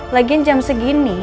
lagian jam segini